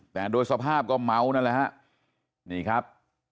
แต่โดยสภาพก็เมานะฮะนี่ครับ